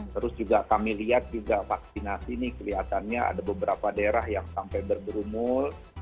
terus juga kami lihat juga vaksinasi ini kelihatannya ada beberapa daerah yang sampai berumul